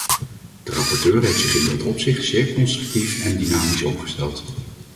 De rapporteur heeft zich in dat opzicht zeer constructief en dynamisch opgesteld.